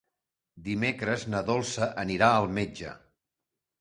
Dimecres na Dolça anirà al metge.